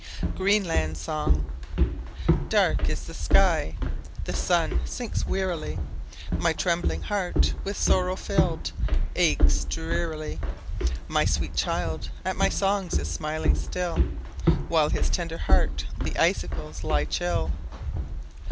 GREENLAND SONG Dark Is the sky, The sun sinks wearily; My trembling heart, with sorrow filled, Aches drearily ! My sweet child at my songs is smiling still, While at his tender heart the icicles lie chill.